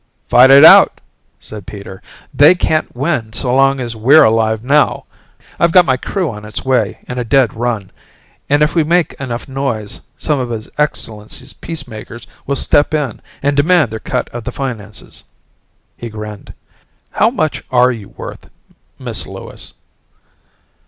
"Fight it out," said Peter. "They can't win so long as we're alive now. I've got my crew on its way in a dead run, and if we make enough noise, some of His Excellency's Peacemakers will step in and demand their cut of the finances." He grinned. "How much are you worth, Miss Lewis?"